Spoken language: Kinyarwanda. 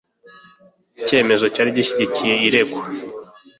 Icyemezo cyari gishyigikiye uregwa.